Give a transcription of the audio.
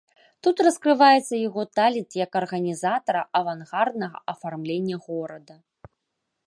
Тут раскрываецца яго талент як арганізатара авангарднага афармлення горада.